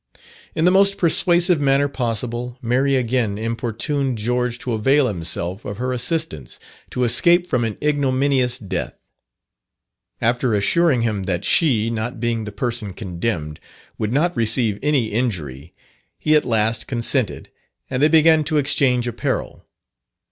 In the most persuasive manner possible, Mary again importuned George to avail himself of her assistance to escape from an ignominious death. After assuring him that she not being the person condemned, would not receive any injury, he at last consented, and they began to exchange apparel.